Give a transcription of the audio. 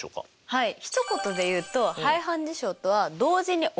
はいひと言でいうとはい。